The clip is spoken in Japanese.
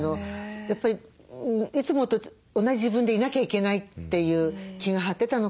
やっぱりいつもと同じ自分でいなきゃいけないという気が張ってたのかな。